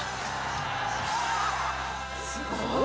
すごい。